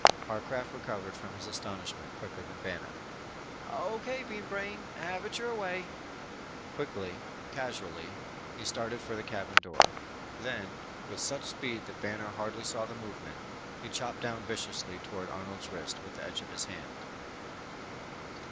Harcraft recovered from his astonishment quicker than Banner. "O.K., Bean Brain, have it your way." Quickly, casually he started for the cabin door. Then, with such speed that Banner hardly saw the movement, he chopped down viciously toward Arnold's wrist with the edge of his hand.